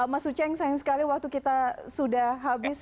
mas uceng sayang sekali waktu kita sudah habis